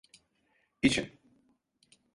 İçin!